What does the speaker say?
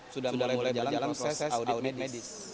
sudah mulai berjalan proses audit medis